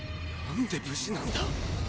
なんで無事なんだ。